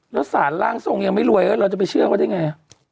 แล้วสารร่างทรงยังไม่รวยเราจะไปเชื่อเขาได้ไง